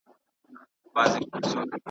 سفر د انسان تجربه زیاتوي.